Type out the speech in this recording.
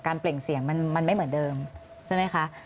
เปล่งเสียงมันไม่เหมือนเดิมใช่ไหมคะ